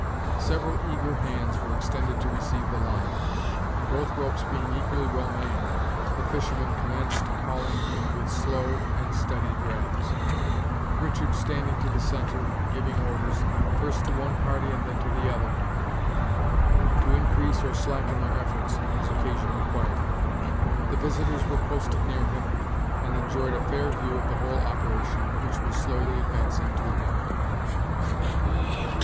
Several eager hands were extended to receive the line, and, both ropes being equally well manned, the fishermen commenced hauling in with slow, and steady drags, Richard standing to the centre, giving orders, first to one party, and then to the other, to increase or slacken their efforts, as occasion required. The visitors were posted near him, and enjoyed a fair view of the whole operation, which was slowly advancing to an end.